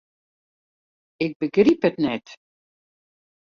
Ik begryp it net.